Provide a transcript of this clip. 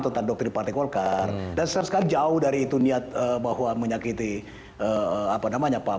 tentang doktrin partai golkar dan jauh dari itu niat bahwa menyakiti apa namanya pak